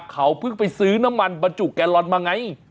เขาเพิ่งไปซื้อน้ำมันบรรจุแกลลอนมาไง